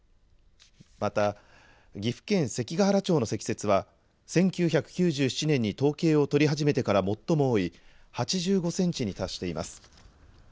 また、岐阜県関ケ原町の積雪は１９９７年に統計を取り始めてから最も多い８５センチに達しています。